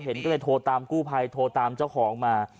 เห็นก็เลยโทรตามกู้ภัยโทรตามเจ้าของมา